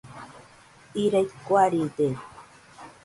Irai kuaride.